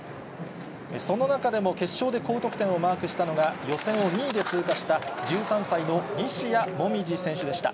その中でも決勝で高得点をマークしたのは、予選を２位で通過した、１３歳の西矢椛選手でした。